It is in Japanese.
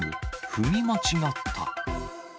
踏み間違った。